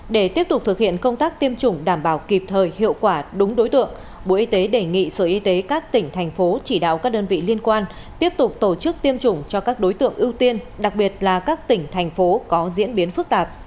để tiếp tục thực hiện công tác tiêm chủng đảm bảo kịp thời hiệu quả đúng đối tượng bộ y tế đề nghị sở y tế các tỉnh thành phố chỉ đạo các đơn vị liên quan tiếp tục tổ chức tiêm chủng cho các đối tượng ưu tiên đặc biệt là các tỉnh thành phố có diễn biến phức tạp